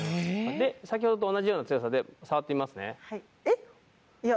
で先ほどと同じような強さで触ってみますね。